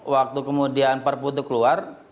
waktu kemudian parputu keluar